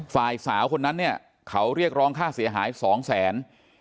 ฝ่ายสาวคนนั้นเขาเรียกร้องค่าเสียหาย๒๐๐๐๐๐บาท